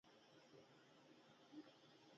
تاریخ د حقیقت څراغ دى.